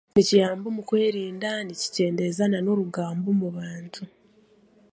Nikiyamba omu kwerinda nikikyendeeza nan'orugambo omu bantu